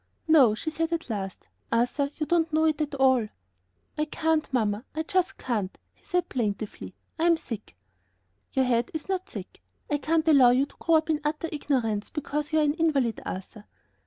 "No," she said at last, "Arthur, you don't know it, at all." "I can't, Mamma, I just can't," he said, plaintively. "I'm sick." "Your head is not sick. I can't allow you to grow up in utter ignorance because you're an invalid, Arthur."